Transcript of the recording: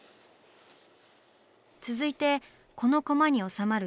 続いてこのコマに収まる